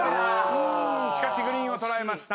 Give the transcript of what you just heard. しかしグリーンを捉えました。